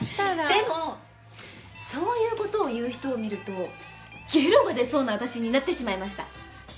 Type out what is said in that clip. でもそういう事を言う人を見るとゲロが出そうな私になってしまいました。